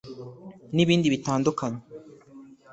n’ibindi bitandukanye”